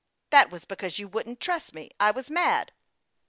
That was because you wouldn't trust me. I was mad."